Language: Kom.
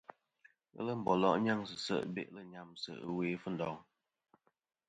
Ghelɨ mbòlo' nyaŋsɨ se' be'lɨ nyamsɨ ɨwe Fundong.